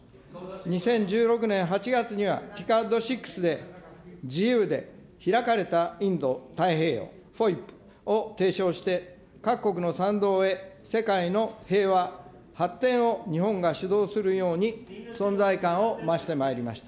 ２０１６年８月には、ＴＩＣＡＤ６で自由で開かれたインド太平洋、フォイップを提唱して、各国の賛同へ世界の平和、繁栄を日本が主導するように存在感を増してまいりました。